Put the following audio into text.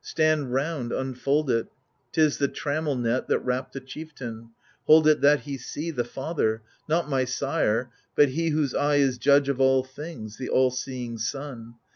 Stand round, unfold it — ^'tis the trammel net That wrapped a chieftain ; hold it that he see. The father — not my sire, but he whose eye Is judge of all things, the all seeing Sun